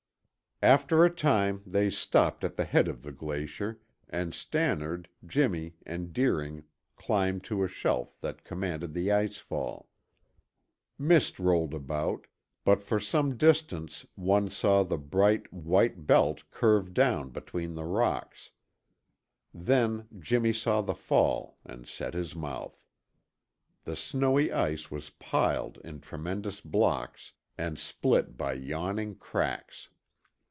After a time, they stopped at the head of the glacier, and Stannard, Jimmy and Deering climbed to a shelf that commanded the ice fall. Mist rolled about, but for some distance one saw the broad white belt curve down between the rocks. Then Jimmy saw the fall and set his mouth. The snowy ice was piled in tremendous blocks and split by yawning cracks.